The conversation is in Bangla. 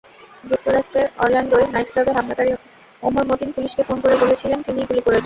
যুক্তরাষ্ট্রের অরল্যান্ডোয় নাইটক্লাবে হামলাকারী ওমর মতিন পুলিশকে ফোন করে বলেছিলেন, তিনিই গুলি করেছেন।